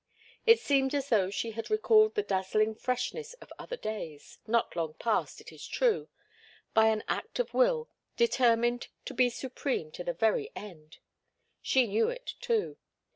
It seemed as though she had recalled the dazzling freshness of other days not long past, it is true by an act of will, determined to be supreme to the very end. She knew it, too.